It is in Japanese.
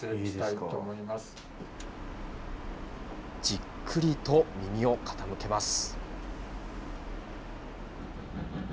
じっくりと耳を傾けます。